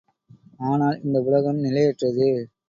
ஆனால் இந்த உலகம் நிலையற்றது.